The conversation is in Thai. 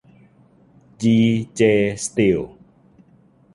จี เจ สตีล